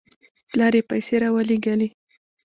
پلار یې پیسې راولېږلې.